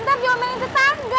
abang jangan berisik